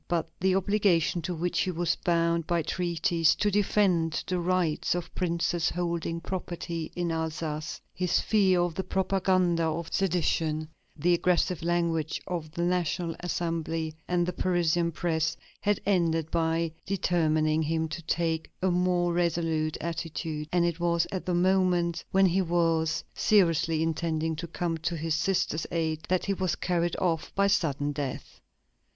But the obligation, to which he was bound by treaties, to defend the rights of princes holding property in Alsace, his fear of the propaganda of sedition, the aggressive language of the National Assembly and the Parisian press, had ended by determining him to take a more resolute attitude, and it was at the moment when he was seriously intending to come to his sister's aid that he was carried off by sudden death.